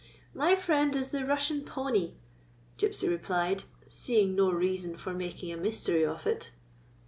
" My friend is the Russian pony," Gypsy replied, seeing no reason for making a mystery of it.